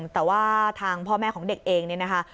แต่ว่าทางพ่อแม่ของเด็กเองเนี่ยนะคะ